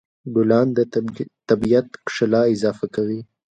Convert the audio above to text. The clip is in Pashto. ګلان د طبیعت ښکلا اضافه کوي.